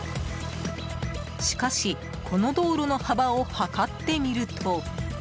しかし、この道路の幅を測ってみると。